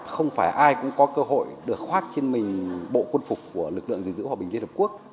không phải ai cũng có cơ hội được khoác trên mình bộ quân phục của lực lượng gìn giữ hòa bình liên hợp quốc